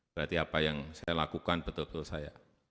berarti apa yang saya lakukan betul betul saya